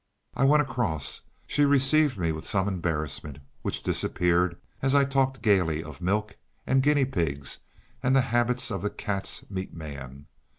I went across. She received me with some embarrassment, which disappeared as I talked gaily of milk and guinea pigs, and the habits of the cats' meat man.